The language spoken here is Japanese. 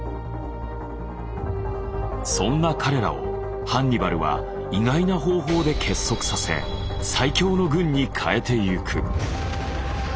そんな彼らをハンニバルは意外な方法で結束させ最強の軍に変えてゆく。